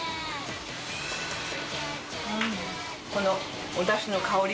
このおだしの香り。